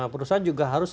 perusahaan juga harus